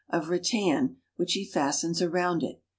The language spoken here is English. of rattan which he fastens around it.